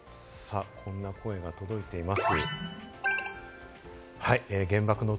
こんな声が届いています。